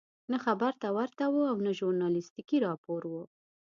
نه خبر ته ورته وو او نه ژورنالستیکي راپور وو.